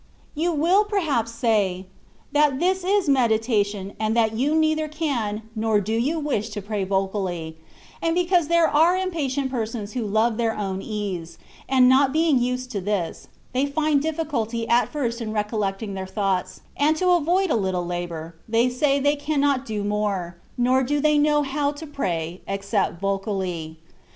You will perhaps say, ^^that this is medita tion, and that you neither can, nor do you wish to pray vocally ;^^ and because there are impatient persons who love their own ease ; and not being used to this, they find difficulty at first in recol lecting their thoughts, and to avoid a little labour, they say they cannot do more, nor do they know how to pray, except vocally.